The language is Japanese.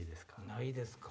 ないですか。